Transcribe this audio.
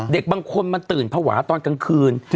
เด็กบางคนมันตื่นภาวะตอนกลางคืน